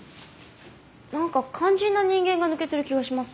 なんか肝心な人間が抜けている気がします。